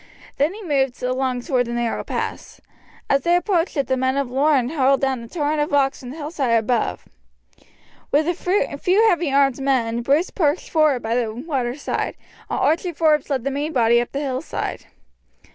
Then he moved along towards the narrow pass. As they approached it the men of Lorne hurled down a torrent of rocks from the hillside above. With a few heavy armed men Bruce pushed forward by the water side, while Archie Forbes led the main body up the hillside.